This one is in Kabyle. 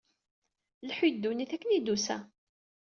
Lḥu i ddunit akken i d-tusa.